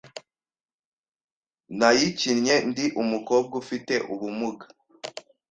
Nayikinnye ndi umukobwa ufite ubumuga.